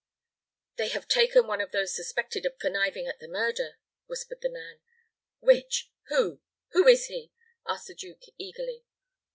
"They have taken one of those suspected of conniving at the murder," whispered the man. "Which? Who who is he?" asked the duke, eagerly.